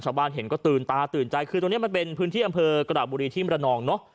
ชาวบ้านเห็นก็ตื่นตาตื่นใจคือตรงนี้มันเป็นพื้นที่อำเภอกระดาษบุรีที่มรนองเนอะ